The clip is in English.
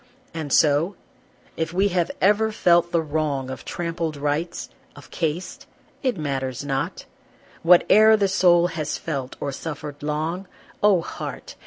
And so if we have ever felt the wrong Of Trampled rights, of caste, it matters not, What e'er the soul has felt or suffered long, Oh, heart!